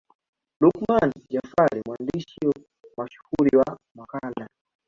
Luqman Jafari mwandishi mashuhuri wa Makala